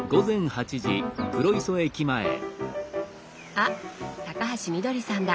あ高橋みどりさんだ。